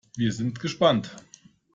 Wir sind gespannt.